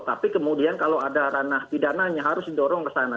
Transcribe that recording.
tapi kemudian kalau ada ranah pidananya harus didorong ke sana